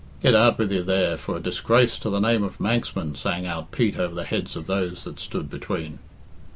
"Get out with you, there, for a disgrace to the name of Manxman," sang out Pete over the heads of those that stood between.